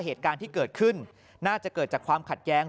เหตุการณ์ที่เกิดขึ้นน่าจะเกิดจากความขัดแย้ง